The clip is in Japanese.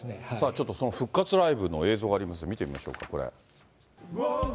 ちょっとその復活ライブの映像がありますので見てみましょうか、これ。